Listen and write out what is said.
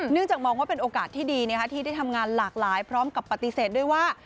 จากมองว่าเป็นโอกาสที่ดีที่ได้ทำงานหลากหลายพร้อมกับปฏิเสธด้วยว่า